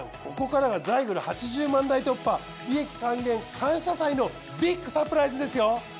ここからがザイグル８０万台突破利益還元感謝祭のビッグサプライズですよ！